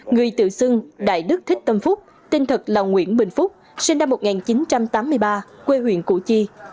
người tự xưng đại đức thích tâm phúc tên thật là nguyễn bình phúc sinh năm một nghìn chín trăm tám mươi ba quê huyện củ chi